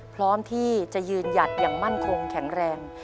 พร้อมที่จะยืนหยัดอย่างมั่นคงแข็งแรง